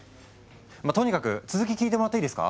まあとにかく続き聞いてもらっていいですか？